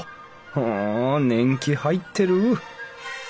ふん年季入ってる。